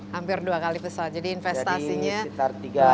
hampir dua kali pesawat jadi investasinya luar biasa